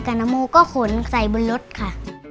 เต็มเนธกับนมูค่ะก็ขนใส่บนรถค่ะ